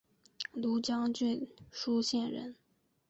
庐江郡舒县人。